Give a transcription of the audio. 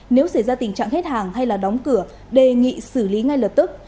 nếu xảy ra tình trạng hết hàng hay đóng cửa đề nghị xử lý ngay lập tức